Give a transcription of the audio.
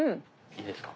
いいですか？